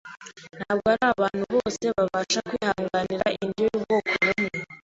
Ntabwo ari abantu bose babasha kwihanganira indyo y’ubwoko bumwe —